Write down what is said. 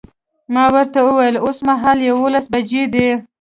ما ورته وویل اوسمهال یوولس بجې دي.